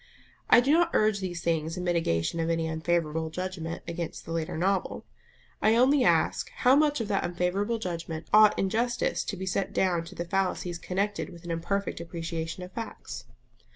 I do not urge these things in mitigation of any unfavourable judgment against the later novel. I only ask How much of that unfavourable judgment ought in justice to be set down to the fallacies connected with an imperfect appreciation of facts?